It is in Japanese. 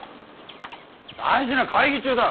大事な会議中だ！